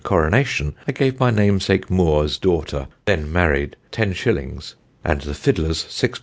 coronation I gave my namesake Moore's daughter then marryed 10_s._ and the fiddlers 6_d.